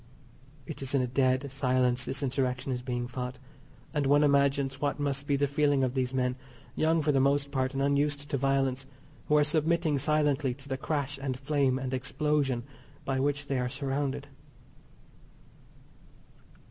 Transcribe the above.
It is in a dead silence this Insurrection is being fought, and one imagines what must be the feeling of these men, young for the most part, and unused to violence, who are submitting silently to the crash and flame and explosion by which they are surrounded.